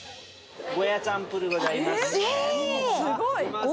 ゴーヤーチャンプルーでございます。